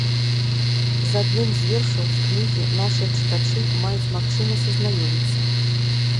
З адным з вершаў з кнігі нашыя чытачы маюць магчымасць азнаёміцца.